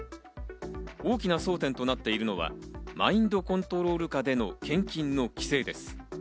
大きな争点となっているのはマインドコントロール下での献金の規制です。